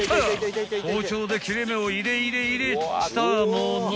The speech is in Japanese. ［包丁で切れ目を入れ入れ入れしたもの］